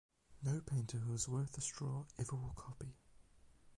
No painter who is worth a straw ever will copy.